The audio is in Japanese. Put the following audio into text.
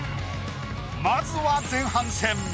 まずは前半戦。